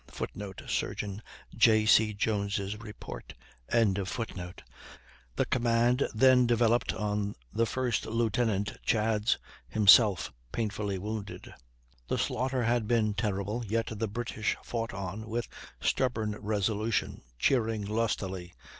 [Footnote: Surgeon J. C. Jones' Report.] The command then devolved on the first lieutenant, Chads, himself painfully wounded. The slaughter had been terrible, yet the British fought on with stubborn resolution, cheering lustily.